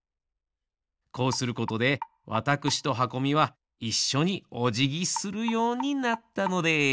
こうすることでわたくしとはこみはいっしょにおじぎするようになったのです。